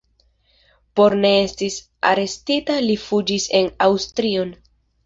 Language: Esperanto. Por ne esti arestita li fuĝis en Aŭstrion.